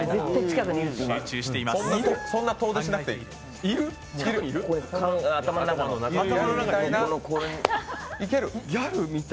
そんな遠出しなくて大丈夫。